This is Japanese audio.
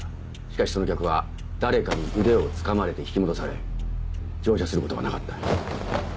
しかしその客は誰かに腕をつかまれて引き戻され乗車することはなかった。